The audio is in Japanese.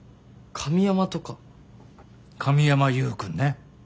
神山祐くんね。